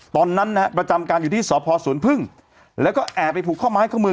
ตอนนั้นนะฮะประจำการอยู่ที่สพสวนพึ่งแล้วก็แอบไปผูกข้อไม้ข้อมือ